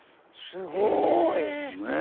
すごい！へえ！